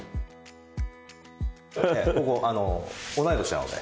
ここ同い年なので。